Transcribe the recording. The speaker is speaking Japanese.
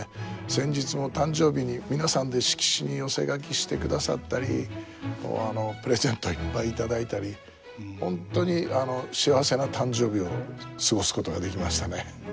先日も誕生日に皆さんで色紙に寄せ書きしてくださったりプレゼントいっぱい頂いたり本当に幸せな誕生日を過ごすことができましたね。